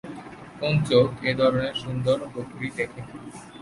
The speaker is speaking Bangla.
কোন চোখ এ ধরনের সুন্দর বকরী দেখেনি।